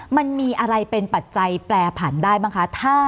มันมีอะไรเป็นปัจจัยแปรผันได้บ้างคะ